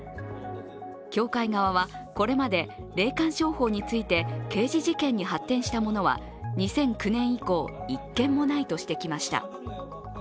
教会側は、これまで霊感商法について刑事事件に発展したものは２００９年以降１件もないとしてきました。